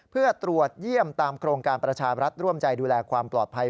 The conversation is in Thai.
เพื่อตรวจเยี่ยมตามโครงการประชารัฐร่วมใจดูแลความปลอดภัย